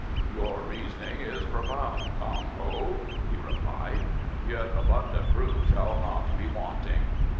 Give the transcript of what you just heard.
"Your reasoning is profound, Kong Ho," he replied, "yet abundant proof shall not be wanting."